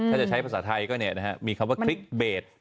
ถ้าจะใช้ภาษาไทยก็มีคำว่าคลิกเบส